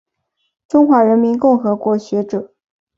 中华人民共和国学者。